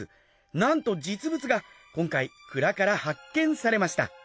なんと実物が今回蔵から発見されました。